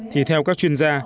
thì theo các chuyên gia